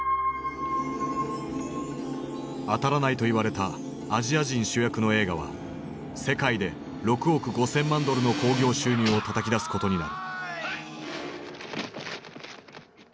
当たらないと言われたアジア人主役の映画は世界で６億５，０００万ドルの興行収入をたたき出すことになる。